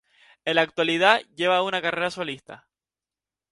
En la actualidad lleva una carrera solista.